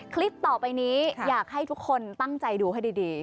คลิปต่อไปนี้อยากให้ทุกคนตั้งใจดูให้ดี